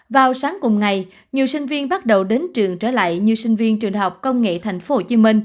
vào sáng cùng ngày nhiều sinh viên bắt đầu đến trường trở lại như sinh viên trường học công nghệ tp hcm